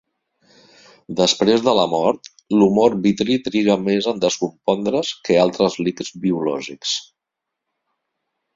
Després de la mort, l'humor vitri triga més en descompondre's que altres líquids biològics.